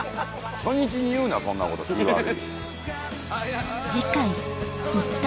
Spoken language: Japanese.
初日に言うなそんなこと気ぃ悪い。